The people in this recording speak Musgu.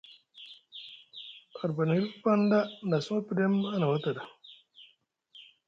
Arbani hilif paŋ, nʼa suma pɗem a na wata ɗa?